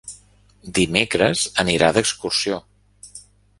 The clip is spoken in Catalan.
Dimecres anirà d'excursió.